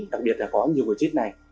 đặc biệt là có nhiều người chết này